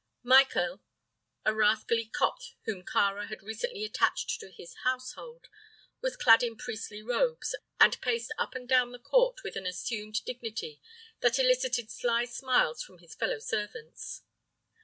Mykel, a rascally Copt whom Kāra had recently attached to his household, was clad in priestly robes, and paced up and down the court with an assumed dignity that elicited sly smiles from his fellow servants.